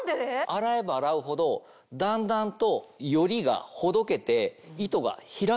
洗えば洗うほどだんだんとよりがほどけて糸が開くんです。